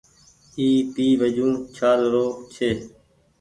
اي پي وجون ڇآل رو ڇي ۔